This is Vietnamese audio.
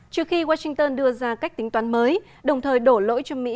trước khi washington đưa ra cách tính toán mới đồng thời đổ lỗi cho mỹ